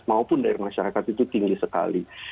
maupun dari masyarakat itu tinggi sekali